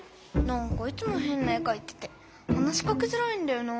なんかいつもへんな絵かいてて話しかけづらいんだよな。